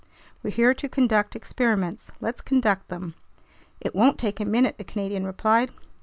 We're here to conduct experiments, let's conduct them." "It won't take a minute," the Canadian replied.